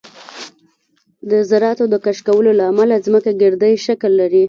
د ذراتو د کشکولو له امله ځمکه ګردی شکل لري